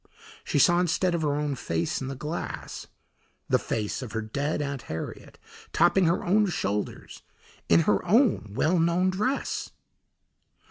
She saw instead of her own face in the glass, the face of her dead Aunt Harriet, topping her own shoulders in her own well known dress!